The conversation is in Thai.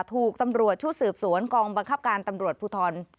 ถูกตำรวจชุดสืบสวนกองบังคับการตำรวจภูทร